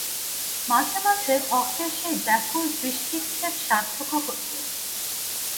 মাঝে মাঝে ভক্তের সেই ব্যাকুল দৃষ্টিক্ষেপ সার্থকও হইত।